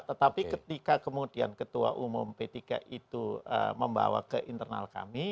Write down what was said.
tetapi ketika kemudian ketua umum p tiga itu membawa ke internal kami